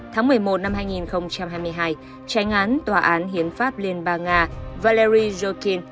tháng một mươi một năm hai nghìn hai mươi hai tranh án tòa án hiến pháp liên bang nga valery jokien